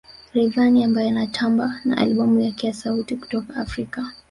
Rayvanny ambaye anatamba na albamu yake ya sauti kutoka Afrika